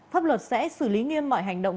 pháp luật sẽ xử lý nghiêm mọi hành động